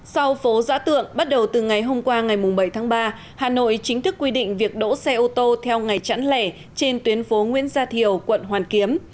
sau phố giã tượng bắt đầu từ ngày hôm qua ngày bảy tháng ba hà nội chính thức quy định việc đỗ xe ô tô theo ngày chẵn lẻ trên tuyến phố nguyễn gia thiều quận hoàn kiếm